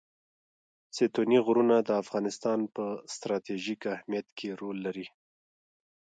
ستوني غرونه د افغانستان په ستراتیژیک اهمیت کې رول لري.